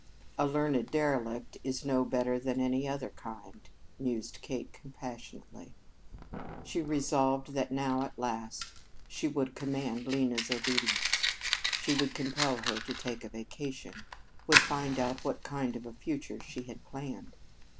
"A learned derelict is no better than any other kind," mused Kate compassionately. She resolved that now, at last, she would command Lena's obedience. She would compel her to take a vacation, would find out what kind of a future she had planned.